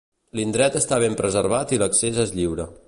L'indret està ben preservat i l'accés és lliure.